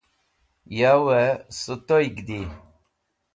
Yavey Sutoyg Di